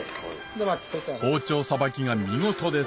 包丁さばきが見事です